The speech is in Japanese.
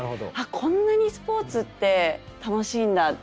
こんなにスポーツって楽しいんだ。